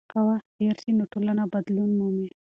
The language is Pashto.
که وخت تېر سي نو ټولنه بدلون مومي.